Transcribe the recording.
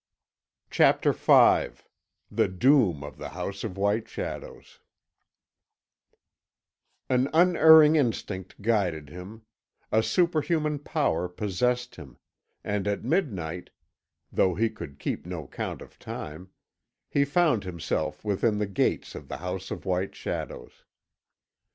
CHAPTER V THE DOOM OF THE HOUSE OF WHITE SHADOWS An unerring instinct guided him; a superhuman power possessed him; and at midnight though he could keep no count of time he found himself within the gates of the House of White Shadows.